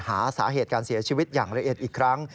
หาสาเหตุการเสียชีวิตอย่างละเอียดอีกครั้ง